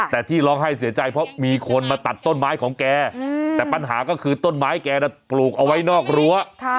แต่ที่ร้องไห้เสียใจเพราะมีคนมาตัดต้นไม้ของแกแต่ปัญหาก็คือต้นไม้แกน่ะปลูกเอาไว้นอกรั้ว